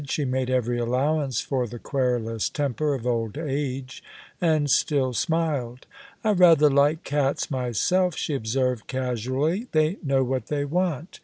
She made every allowance for the querulous temper of old age, and still smiled. "I rather like cats myself," she observed casually. "They know what they want."